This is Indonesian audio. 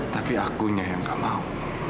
tapi akunya yang kau mau